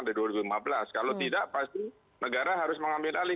di dua ribu lima belas kalau tidak pasti negara harus mengambil alih